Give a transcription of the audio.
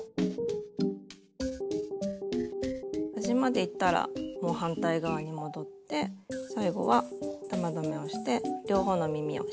端までいったらもう反対側に戻って最後は玉留めをして両方の耳を仕上げます。